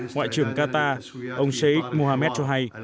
ngoại trưởng qatar ông sheikh mohammed chouhai